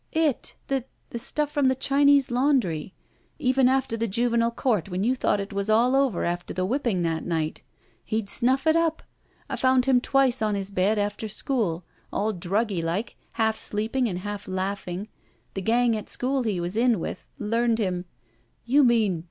"It. The — ^the stuff from the Chinese laundry. Even after the Juvenile Court, when you thought it was all over after the whipping that night. He'd snuff it up. I found him twice on his bed after school. All druggy like — ^half sleeping and half laughing. The gang at school he was in with — learned him —" "You mean